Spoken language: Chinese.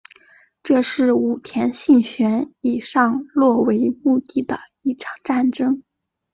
这是武田信玄以上洛为目的的一场战争。